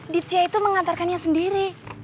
ditia itu mengantarkannya sendiri